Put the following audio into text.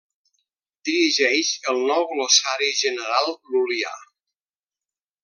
Dirigeix el Nou Glossari General Lul·lià.